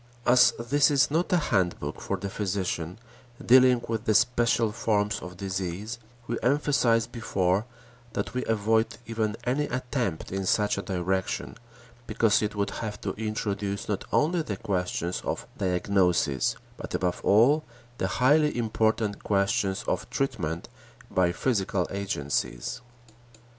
As this is not a handbook for the physician, dealing with the special forms of disease, we emphasized before that we avoid even any attempt in such a direction because it would have to introduce not only the questions of diagnosis, but above all the highly important questions of treatment by physical agencies.